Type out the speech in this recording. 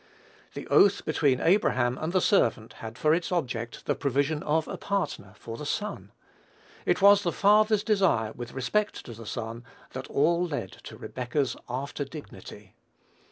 The oath between Abraham and the servant had for its object the provision of a partner for the son. It was the father's desire with respect to the son that all led to Rebekah's after dignity.